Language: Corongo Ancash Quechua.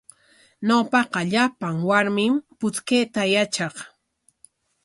Ñawpaqa llapan warmim puchkayta yatraq.